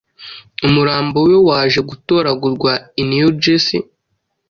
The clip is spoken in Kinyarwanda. umurambo we waje gutoragurwa i New Jersey